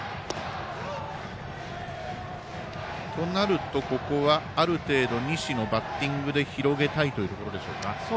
となると、ここはある程度、西のバッティングで広げたいというところでしょうか。